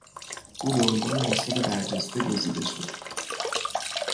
او به عنوان استاد برجسته گزیده شد.